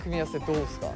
どうですか？